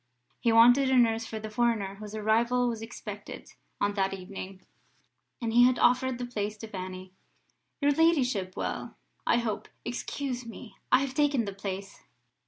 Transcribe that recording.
He wanted a nurse for the foreigner whose arrival was expected on that evening, and he had offered the place to Fanny. "Your ladyship will, I hope, excuse me; I have taken the place."